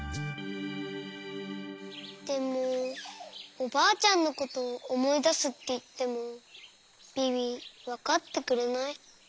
でもおばあちゃんのことおもいだすっていってもビビわかってくれない。